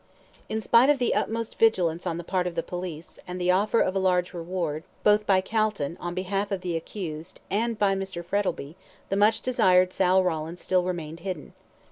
In spite of the utmost vigilance on the part of the police, and the offer of a large reward, both by Calton, on behalf of the accused, and by Mr. Frettlby, the much desired Sal Rawlins still remained hidden.